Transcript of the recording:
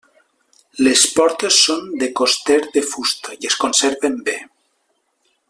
Les portes són de coster de fusta i es conserven bé.